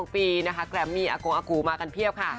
๒ปีนะคะแกรมมี่อากงอากูมากันเพียบค่ะ